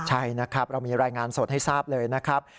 ใช่นะครับเรามีรายงานสดให้ทราบเลยนะครับ